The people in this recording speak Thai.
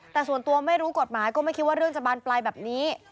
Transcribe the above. แต่ส่วนตัวไม่รู้กฎหมายก็ไม่คิดว่าเรื่องจะบานปลายแบบนี้